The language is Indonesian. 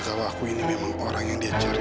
kalau aku ini memang orang yang dia cari